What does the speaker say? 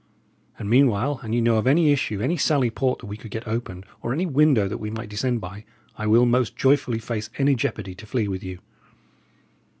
And meanwhile, an ye know of any issue, any sally port we could get opened, or any window that we might descend by, I will most joyfully face any jeopardy to flee with you."